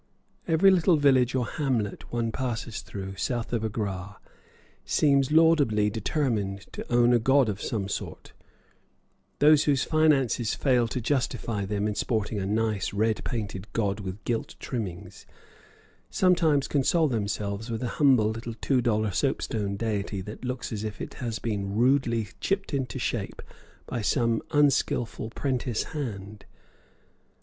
Every little village or hamlet one passes through, south of Agra, seems laudably determined to own a god of some sort; those whose finances fail to justify them in sporting a nice, red painted god with gilt trimmings, sometimes console themselves with a humble little two dollar soapstone deity that looks as if he has been rudely chipped into shape by some unskilful prentice hand.